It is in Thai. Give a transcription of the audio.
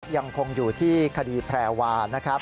ยังคงอยู่ที่คดีแพรวานะครับ